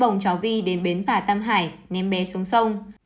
trong quá trình nói chuyện viên đến bến phà tam hải ném bé xuống sông